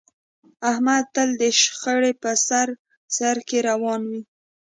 احمد تل د شخړې په سر سرکې روان وي.